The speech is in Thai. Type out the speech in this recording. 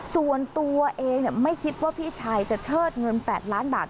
ส่วนตัวเองไม่คิดว่าพี่ชายจะเชิดเงิน๘ล้านบาท